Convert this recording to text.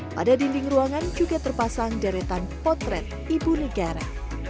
pada dinding ruangan juga terpasang deretan potret ibu negara